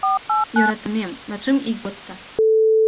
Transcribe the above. Йӧратымем, латшым ий годсо